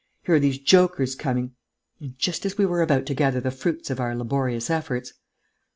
Here are these jokers coming ... and just as we were about to gather the fruits of our laborious efforts!